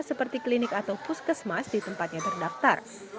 seperti klinik atau puskesmas di tempatnya terdaftar